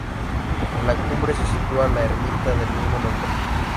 En la cumbre se sitúa la ermita del mismo nombre.